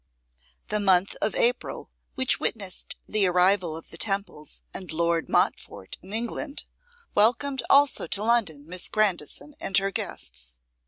The month of April, which witnessed the arrival of the Temples and Lord Montfort in England, welcomed also to London Miss Grandison and her guests.